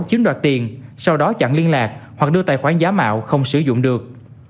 chiếm đoạt tiền sau đó chặn liên lạc hoặc đưa tài khoản giá mạo không sử dụng được